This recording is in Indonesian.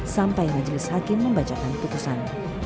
sampai majelis hakim membacakan putusan